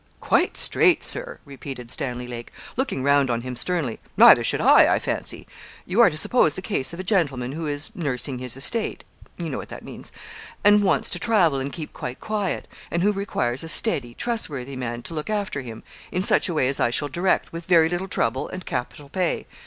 'Quite straight, Sir!' repeated Stanley Lake, looking round on him sternly; 'neither should I, I fancy. You are to suppose the case of a gentleman who is nursing his estate you know what that means and wants to travel, and keep quite quiet, and who requires a steady, trustworthy man to look after him, in such a way as I shall direct, with very little trouble and capital pay.